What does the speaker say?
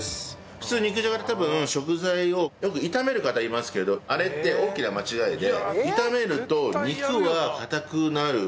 普通肉じゃがって多分食材をよく炒める方いますけどあれって大きな間違いで。